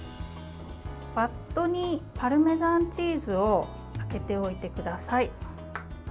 バットにパルメザンチーズをあけておいてください。